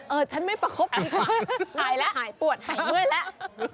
ฉันไม่ประคบดีกว่าหายแล้วหายปวดหายเมื่อยแล้ว